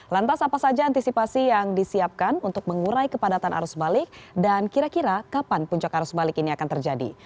lantas apa saja antisipasi yang disiapkan untuk mengurai kepadatan arus balik dan kira kira kapan puncak arus balik ini akan terjadi